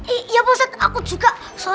iya ustadz aku juga solat